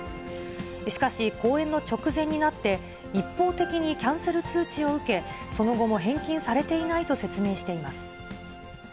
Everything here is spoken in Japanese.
しかし、公演の直前になって、一方的にキャンセル通知を受け、その後も返金されていないと説明しています。